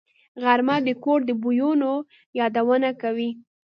غرمه د کور د بویونو یادونه کوي